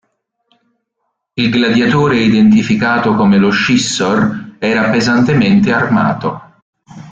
Il gladiatore identificato come lo "scissor" era pesantemente armato.